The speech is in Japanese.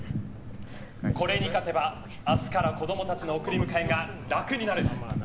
これに勝てば、明日から子供たちの送り迎えが楽になる。